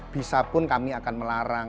bisapun kami akan melarang